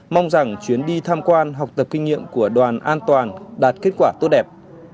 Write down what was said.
mong rằng chuyến đi tham quan học tập kinh nghiệm của đoàn an toàn đạt kết quả tốt đẹp